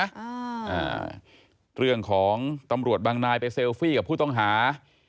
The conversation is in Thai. อ่าเรื่องของตำรวจบางนายไปเซลฟี่กับผู้ต้องหา